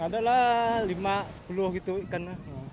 ada lah lima sepuluh gitu ikan lah